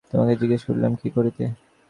তােমাকে জিজ্ঞাসা করিলাম কি করিতে!